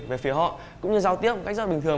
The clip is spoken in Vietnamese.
về phía họ cũng như giao tiếp một cách rất bình thường